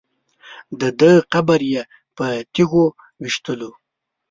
دده قبر یې په تیږو ویشتلو.